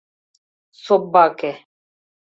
— Соб-баке!..